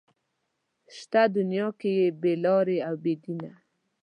شته دنيا کې ډېر بې لارې او بې دينه